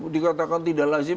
dikatakan tidak lazim